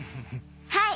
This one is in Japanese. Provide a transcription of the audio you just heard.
はい。